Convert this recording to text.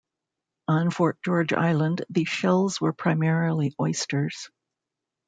On Fort George Island, the shells were primarily oysters.